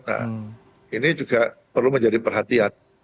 nah ini juga perlu menjadi perhatian